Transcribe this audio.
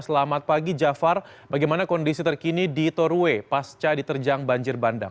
selamat pagi jafar bagaimana kondisi terkini di torway pasca diterjang banjir bandang